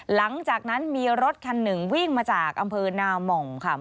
หลังจากนั้นมีรถคันหนึ่งวิ่งมาจากอำเภอนาม่องค่ะ